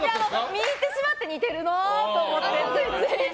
見入ってしまって似てるなと思って。